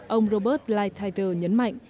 ông robert lighthizer nhấn mạnh